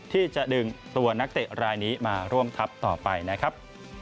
ที่จะดึงตัวนักเตะรายนี้มาร่วมทัพต่อไปนะครับ